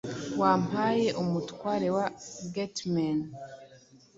Wampaye Umutware wa Geatmen